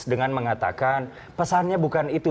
dengan mengatakan pesannya bukan itu